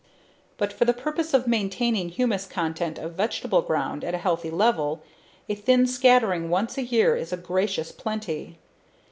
But for the purpose of maintaining humus content of vegetable ground at a healthy level, a thin scattering once a year is a gracious plenty.